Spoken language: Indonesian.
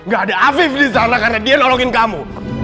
gak ada afif disana karena dia nolongin kamu